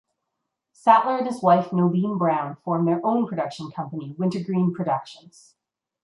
Sattler and his wife Noeline Brown formed their own production company Wintergreen Productions.